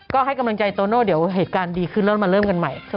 ก็ให้กำลังใจโตโน่เดี๋ยวเหตุการณ์ดีขึ้นแล้วมาเริ่มกันใหม่